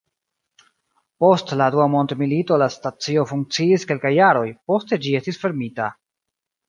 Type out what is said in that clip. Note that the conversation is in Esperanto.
Post la Dua Mondmilito, la stacio funkciis kelkaj jaroj, poste ĝi estis fermita.